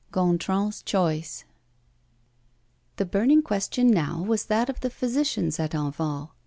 Gontran's Choice The burning question now was that of the physicians at Enval.